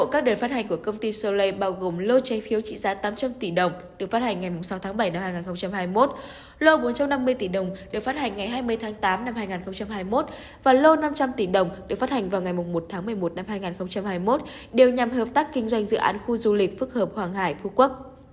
các kinh doanh dự án khu du lịch phức hợp hoàng hải khu quốc